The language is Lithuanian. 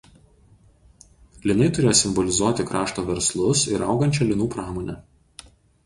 Linai turėjo simbolizuoti krašto verslus ir augančią linų pramonę.